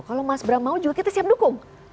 kalau mas bram mau juga kita siap dukung